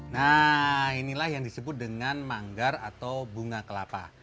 nah inilah yang disebut dengan manggar atau bunga kelapa